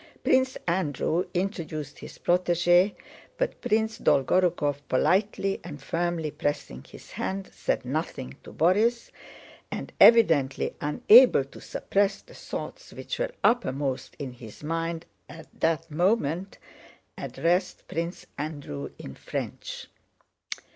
Prince Andrew introduced his protégé, but Prince Dolgorúkov politely and firmly pressing his hand said nothing to Borís and, evidently unable to suppress the thoughts which were uppermost in his mind at that moment, addressed Prince Andrew in French.